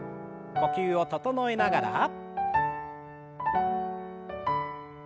呼吸を整えながら。